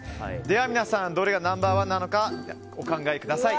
皆さん、どれがナンバー１なのかお考えください。